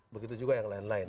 begitu juga yang lain lain